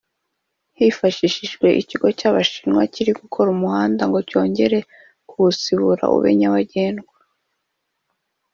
hifashishijwe ikigo cy’Abashinwa kiri gukora umuhanda ngo cyongere kuwusibura ube nyabagendwa